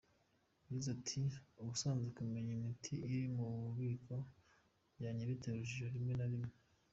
Yagize ati “Ubusanzwe kumenya imiti iri mu bubiko byajyaga bitera urujijo rimwe na rimwe.